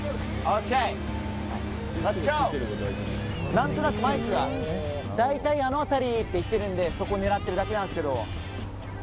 なんとなくマイクが大体あの辺りって言っているのでそこを狙ってるだけなんですけど。